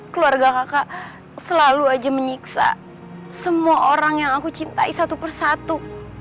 keluarga kakak selalu aja menyiksa semua orang yang aku cintai satu persatu